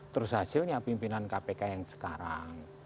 terus hasilnya pimpinan kpk yang sekarang